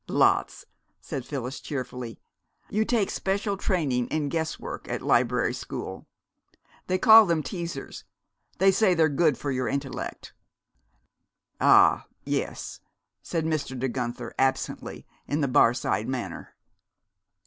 "Lots!" said Phyllis cheerfully. "You take special training in guesswork at library school. They call them 'teasers'. They say they're good for your intellect." "Ah yes," said Mr. De Guenther absently in the barside manner.